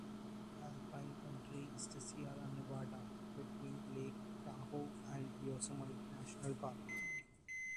Alpine County is in the Sierra Nevada, between Lake Tahoe and Yosemite National Park.